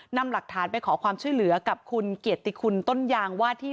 นำหลักฐานไปขอความช่วยเหลือกับคุณเกียรติคุณต้นยางว่าที่